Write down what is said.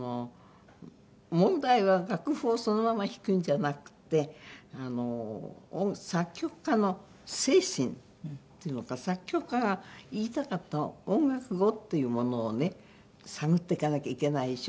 問題は楽譜をそのまま弾くんじゃなくて作曲家の精神っていうのか作曲家が言いたかった音楽語というものをね探っていかなきゃいけないでしょ。